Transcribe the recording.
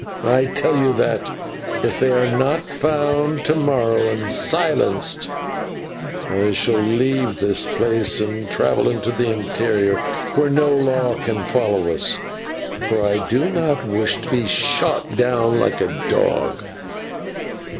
I tell you that, if they are not found to morrow and silenced, I shall leave this place and travel into the interior, where no law can follow us, for I do not wish to be shot down like a dog.